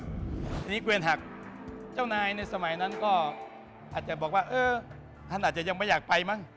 ทีนี้เกวียนหักเจ้านายในสมัยนั้นก็อาจจะบอกว่าเออท่านอาจจะยังไม่อยากไปมั้ง